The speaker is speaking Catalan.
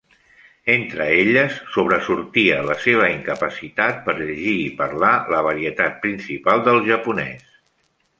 Entre elles, sobresortia la seva incapacitat per llegir i parlar la varietat principal del japonès.